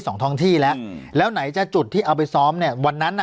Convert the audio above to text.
สองท้องที่แล้วอืมแล้วแล้วไหนจะจุดที่เอาไปซ้อมเนี้ยวันนั้นน่ะ